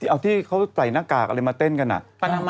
เอาที่เขาใส่หน้ากากอะไรมาเต้นกัน